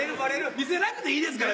見せなくていいですから。